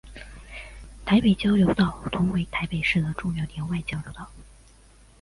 台北交流道同为台北市的重要联外交流道。